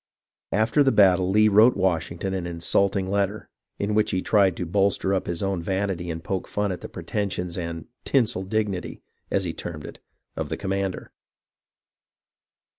After the battle Lee wrote Washington an insulting letter, in which he tried to bolster up his own vanity and poke fun at the pretensions and "tinsel dignity," as he termed it, of the commander.